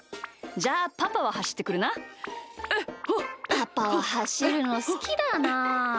パパははしるのすきだな。